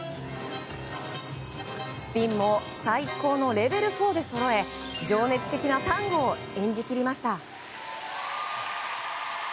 スピンも最高のレベル４でそろえ情熱的なタンゴを演じ切りました。